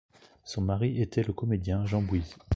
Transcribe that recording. Son mari était le comédien Jean Bouise.